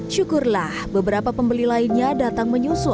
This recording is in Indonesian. syukurlah beberapa pembeli lainnya datang menyusul